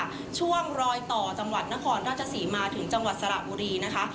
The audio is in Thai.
ถนนวิทธภาพค่ะช่วงรอยต่อจำวัดนครน่าจะสีมาถึงจำวัดสระบุรีนะคะ